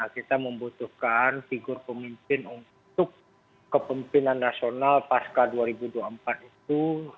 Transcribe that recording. kita membutuhkan figur pemimpin untuk kepemimpinan nasional pasca dua ribu dua puluh empat itu